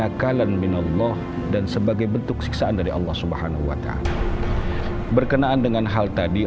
allah dan sebagai bentuk siksaan dari allah subhanahuwata'ala berkenaan dengan hal tadi